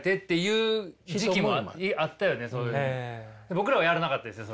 僕らはやらなかったですよ